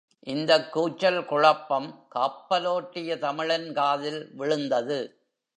இந்தக் கூச்சல், குழப்பம் கப்பலோட்டிய தமிழன் காதில் விழுந்தது.